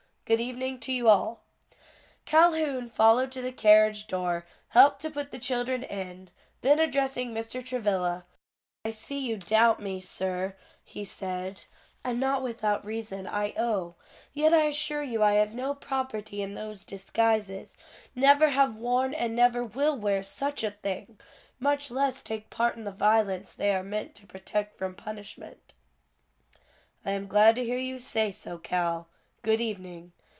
Good evening to you all." Calhoun followed to the carriage door, helped to put the children in, then addressing Mr. Travilla, "I see you doubt me, sir," he said, "and not without reason, I own; yet I assure you I have no property in those disguises, never have worn, and never will wear such a thing: much less take part in the violence they are meant to protect from punishment." "I am glad to hear you say so, Cal. Good evening."